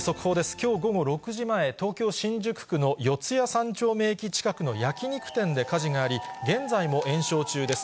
きょう午後６時前、東京・新宿区の四谷三丁目駅近くの焼き肉店で火事があり、現在も延焼中です。